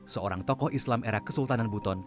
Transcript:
seorang tokoh islam era kesultanan buton